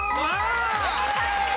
正解です。